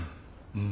うん。